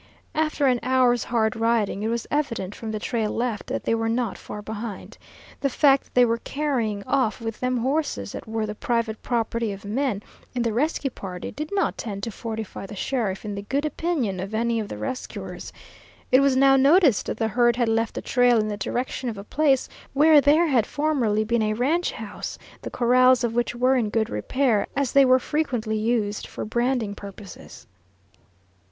After an hour's hard riding, it was evident, from the trail left, that they were not far ahead. The fact that they were carrying off with them horses that were the private property of men in the rescue party did not tend to fortify the sheriff in the good opinion of any of the rescuers. It was now noticed that the herd had left the trail in the direction of a place where there had formerly been a ranch house, the corrals of which were in good repair, as they were frequently used for branding purposes.